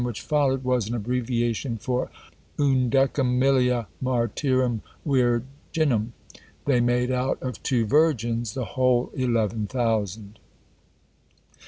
_ which followed, was an abbreviation for Undecem Millia Martyrum Virginum, they made out of Two Virgins the whole Eleven Thousand!